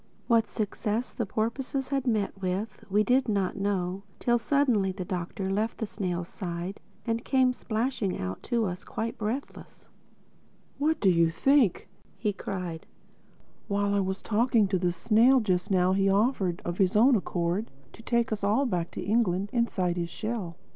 What success the porpoises had met with, we did not know, till suddenly the Doctor left the snail's side and came splashing out to us, quite breathless. "What do you think?" he cried, "while I was talking to the snail just now he offered, of his own accord, to take us all back to England inside his shell.